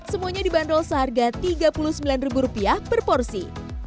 semuanya dibanderol seharga tiga puluh sembilan ribu rupiah per porsi